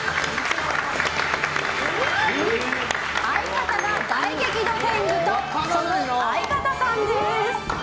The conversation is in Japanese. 相方が大激怒天狗とその相方さんです。